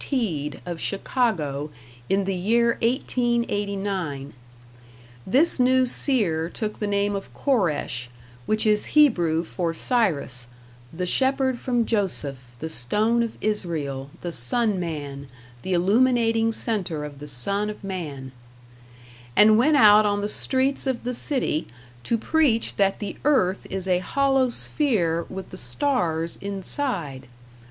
Teed of Chicago in the year 1889. This new seer took the name of Koresh, which is Hebrew for Cyrus, "the Shepherd from Joseph, the Stone of Israel, the Sun Man; the illuminating center of the Son of man", and went out on the streets of the city to preach that the earth is a hollow sphere with the stars inside.